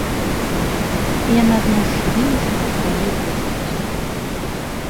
І яна зноў схілілася над сваёй постаццю.